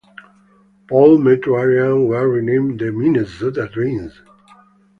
Paul metro area and were renamed the Minnesota Twins.